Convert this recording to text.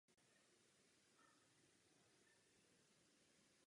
Navazuje ale na starší židovské sídlo zmiňované v Talmudu.